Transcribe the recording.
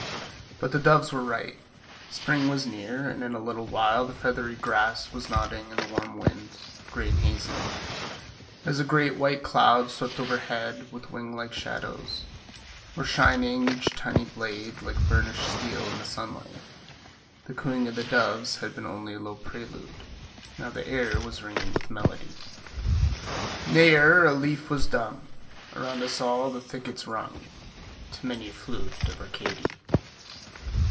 But the doves were right. Spring was near, and in a little while the feathery grass was nodding in the warm wind, gray and hazy, as the great white clouds swept overhead with wing like shadows, or shining, each tiny blade like burnished steel, in the sunlight. The cooing of the doves had been only a low prelude; now the air was ringing with melody. "N'er a leaf was dumb; Around us all the thickets rung To many a flute of Arcady."